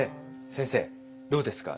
先生どうですか？